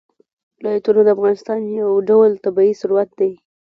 ولایتونه د افغانستان یو ډول طبعي ثروت دی.